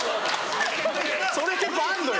それ結構あんのよ。